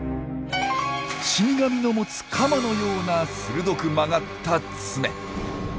死神の持つカマのような鋭く曲がった爪。